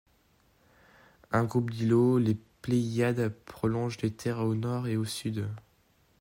Un groupe d'îlots, les Pléiades, prolongent les terres au nord et au sud.